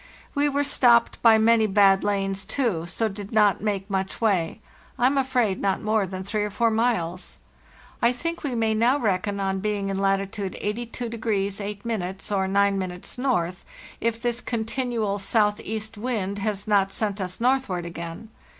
We were stopped by many bad lanes, too, so did not make much way—I am afraid not more than three or four miles. I think we may now reckon on being in latitude 82° 8' or 9' N. if this continual southeast wind has not sent us northward again.